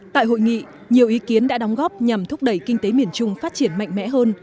tại hội nghị nhiều ý kiến đã đóng góp nhằm thúc đẩy kinh tế miền trung phát triển mạnh mẽ hơn